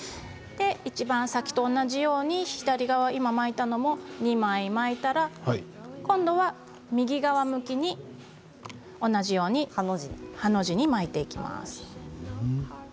いちばん先と同じように左側が今巻いたのを２枚巻いたら今度は右側向きに同じようにハの字に巻いていきます。